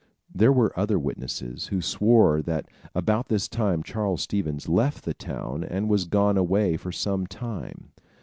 There were other witnesses, who swore that about this time Charles Stevens left the town and was gone away for some time.